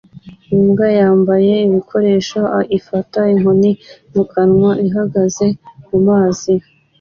Imbwa yambaye ibikoresho ifata inkoni mu kanwa ihagaze mu mazi